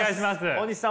大西さん